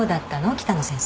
北野先生と。